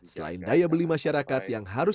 selain daya beli masyarakat yang harus